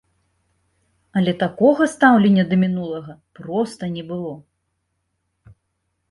Але такога стаўлення да мінулага проста не было.